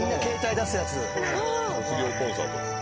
卒業コンサート。